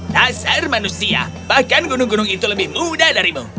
dasar manusia bahkan gunung gunung itu lebih mudah darimu